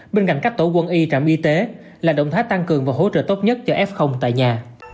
bên cạnh các tổ quân y trạm y tế là động thái tăng cường và hỗ trợ tốt nhất cho f tại nhà